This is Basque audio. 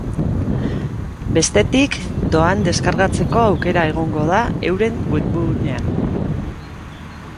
Bestetik, doan deskargatzeko aukera egongo da euren webgunean.